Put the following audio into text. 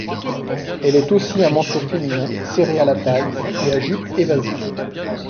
Elle est aussi un manteau féminin, serré à la taille et à jupe évasée.